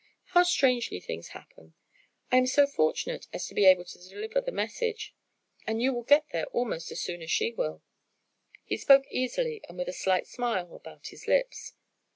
How strangely things happen! I am so fortunate as to be able to deliver the message, and you will get there almost as soon as she will." He spoke easily, and with a slight smile about his lips.